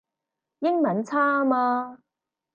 英文差吖嘛